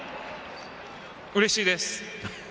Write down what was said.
うれしいです。